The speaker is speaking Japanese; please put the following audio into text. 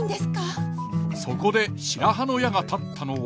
そこで白羽の矢が立ったのは。